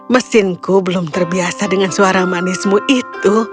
mesinku belum terbiasa dengan suara manismu itu